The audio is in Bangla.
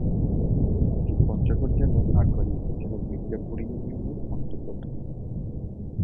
এটি পঞ্চগড় জেলার আটোয়ারী উপজেলার মির্জাপুর ইউনিয়নের অন্তর্গত।